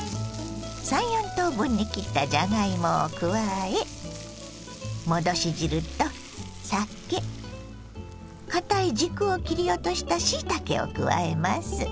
３４等分に切ったじゃがいもを加え戻し汁と酒かたい軸を切り落としたしいたけを加えます。